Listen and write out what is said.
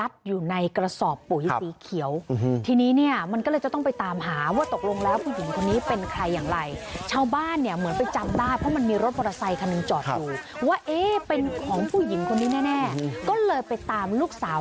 แล้วแม่หายออกจากบ้านไปนานถึง๑๕วันแล้วนะคะ